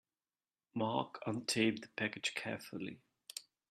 Mark untaped the package carefully.